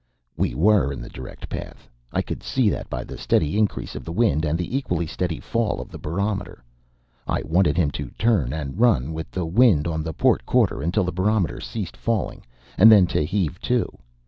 We were in the direct path. I could see that by the steady increase of the wind and the equally steady fall of the barometer. I wanted him to turn and run with the wind on the port quarter until the barometer ceased falling, and then to heave to.